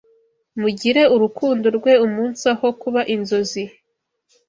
Mugire urukundo rwe umunsi aho kuba inzozi